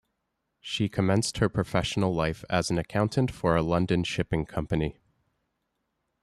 She commenced her professional life as an accountant for a London shipping company.